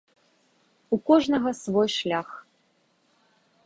У кожнага свой шлях.